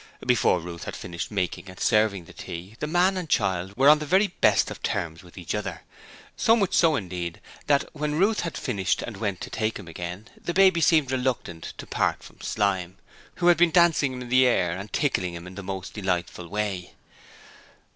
Before Ruth had finished making and serving the tea the man and child were on the very best of terms with each other, so much so indeed that when Ruth had finished and went to take him again, the baby seemed reluctant to part from Slyme, who had been dancing him in the air and tickling him in the most delightful way.